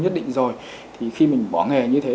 nhất định rồi thì khi mình bỏ nghề như thế